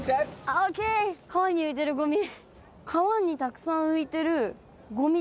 ＯＫ川に浮いてるゴミ。